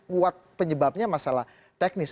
kuat penyebabnya masalah teknis